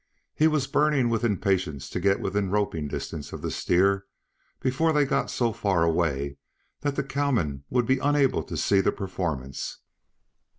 He was burning with impatience to get within roping distance of the steer before they got so far away that the cowmen would be unable to see the performance.